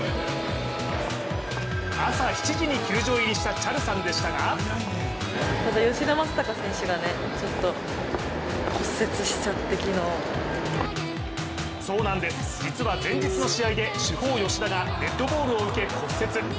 朝７時に球場入りしたＣＨＡＬさんでしたがそうなんです、実は前日の試合で主砲・吉田がデッドボールを受け骨折。